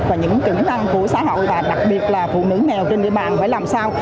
và những kỹ năng của xã hội và đặc biệt là phụ nữ nghèo trên địa bàn phải làm sao